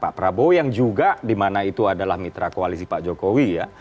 pak prabowo yang juga dimana itu adalah mitra koalisi pak jokowi ya